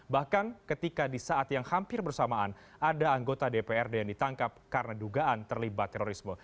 bahkan ketika di saat yang hampir bersamaan ada anggota dprd yang ditangkap karena dugaan terlibat terorisme